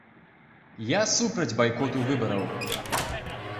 Я супраць байкоту выбараў.